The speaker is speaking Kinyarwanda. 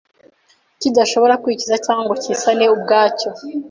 kidashobora kwikiza cyangwa ngo kisane ubwacyo